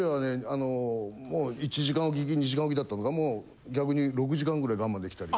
あのもう１時間おき２時間おきだったのがもう逆に６時間ぐらい我慢できたり。